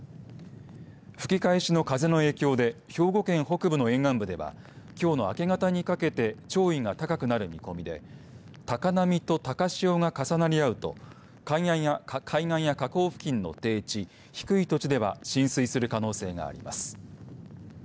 吹き返しの風の影響で兵庫県北部の沿岸部ではきょうの明け方にかけて潮位が高くなる見込みで高波と高潮が重なり合うと海岸や河口付近の低地低い土地では浸水する可能性があります。